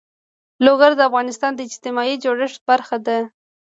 لوگر د افغانستان د اجتماعي جوړښت برخه ده.